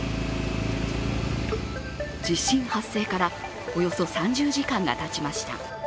地震発生からおよそ３０時間がたちました。